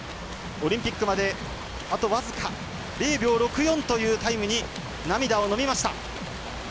オリンピックまで、あと僅か０秒６４というタイムに涙をのみました。